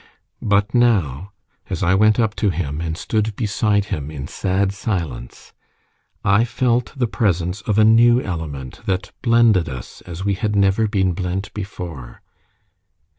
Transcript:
But now, as I went up to him, and stood beside him in sad silence, I felt the presence of a new element that blended us as we had never been blent before.